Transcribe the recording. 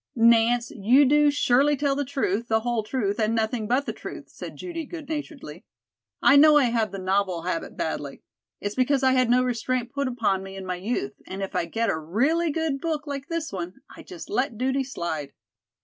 "Nance, you do surely tell the truth, the whole truth and nothing but the truth," said Judy good naturedly. "I know I have the novel habit badly. It's because I had no restraint put upon me in my youth, and if I get a really good book like this one, I just let duty slide."